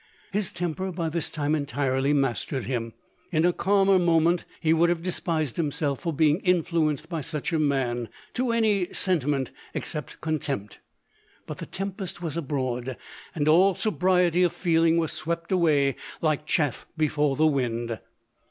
His temper by this time entirely mastered him. In a calmer moment he would have despised himself for being influenced by such a man, to any senti ment except contempt; but the tempest was abroad, and all sobriety of feeling was swept away like chaff before the wind.